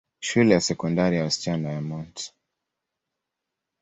Shule ya Sekondari ya wasichana ya Mt.